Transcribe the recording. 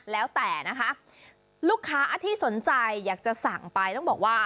แล้วแต่นะคะลูกค้าที่สนใจอยากจะสั่งไปต้องบอกว่า